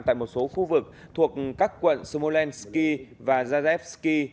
tại một số khu vực thuộc các quận smolensk và zazevsky